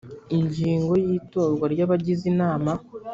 ingingo ya itorwa ry abagize inama